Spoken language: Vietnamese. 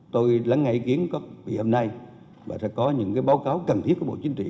tôi lắng nghe ý kiến của quý vị hôm nay và sẽ có những báo cáo cần thiết của bộ chính trị